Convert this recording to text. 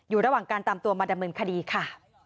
อยู่ระหว่างการตามตัวมาดำเนินคดีค่ะ